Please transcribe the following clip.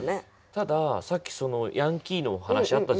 たださっきヤンキーのお話あったじゃないですか。